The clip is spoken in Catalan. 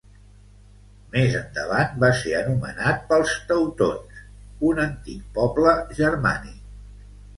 Més endavant va ser anomenat pels teutons, un antic poble germànic.